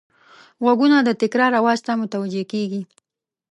غوږونه د تکرار آواز ته متوجه کېږي